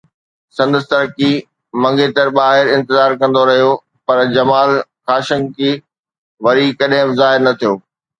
سندس ترڪي منگيتر ٻاهر انتظار ڪندو رهيو، پر جمال خاشقجي وري ڪڏهن به ظاهر نه ٿيو.